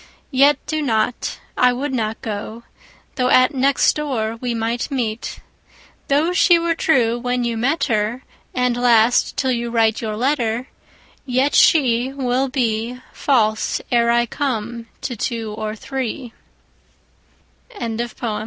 20 Yet do not; I would not go, Though at next door we might meet. Though she were true when you met her, And last till you write your letter, Yet she 25 Will be False, ere I come, to tw